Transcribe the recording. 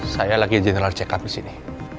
saya lagi general check up disini